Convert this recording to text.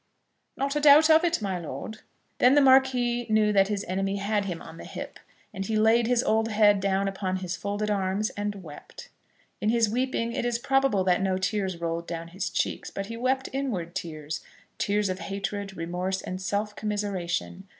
"Not a doubt of it, my lord." Then the Marquis knew that his enemy had him on the hip, and he laid his old head down upon his folded arms and wept. In his weeping it is probable that no tears rolled down his cheeks, but he wept inward tears, tears of hatred, remorse, and self commiseration.